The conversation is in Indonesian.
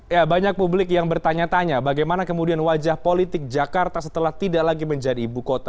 ya banyak publik yang bertanya tanya bagaimana kemudian wajah politik jakarta setelah tidak lagi menjadi ibu kota